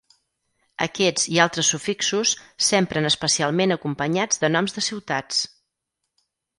Aquests i altres sufixos s'empren especialment acompanyats de noms de ciutats.